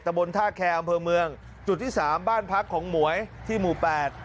บนท่าแคร์อำเภอเมืองจุดที่สามบ้านพักของหมวยที่หมู่แปด